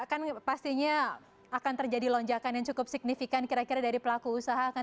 kan pastinya akan terjadi lonjakan yang cukup signifikan kira kira dari pelaku usaha kan